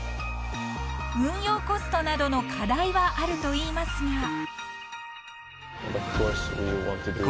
［運用コストなどの課題はあるといいますが］